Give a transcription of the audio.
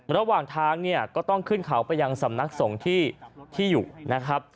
ระหว่างทางเนี่ยก็ต้องขึ้นเขาไปยังสำนักสงฆ์ที่อยู่นะครับ